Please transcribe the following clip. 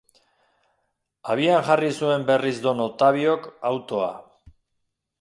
Abian jarri zuen berriz don Ottaviok autoa.